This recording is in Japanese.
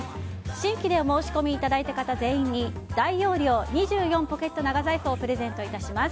新規でお申し込みいただいた方全員に大容量２４ポケット長財布をプレゼントいたします。